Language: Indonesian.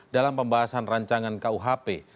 dalam pembahasan rancangan kuhp